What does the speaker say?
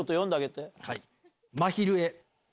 まひるへ。